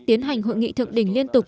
tiến hành hội nghị thượng đỉnh liên tục